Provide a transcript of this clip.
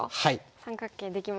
三角形できましたね。